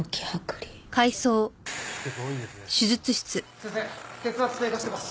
先生血圧低下してます！